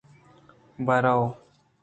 بہ رو۔